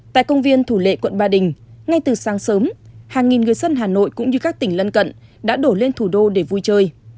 tại công viên thủ lệ quận ba đình ngay từ sáng sớm hàng nghìn người dân hà nội cũng như các tỉnh lân cận đã đổ lên thủ đô để vui chơi